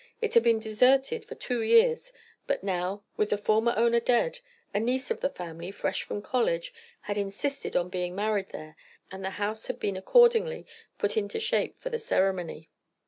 It had been deserted for two years, but now, with the former owner dead, a niece of the family, fresh from college, had insisted upon being married there, and the house had been accordingly put into shape for the ceremony.